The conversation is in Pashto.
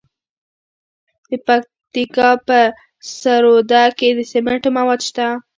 د پکتیکا په سروضه کې د سمنټو مواد شته.